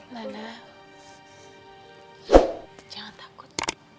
nana jangan takut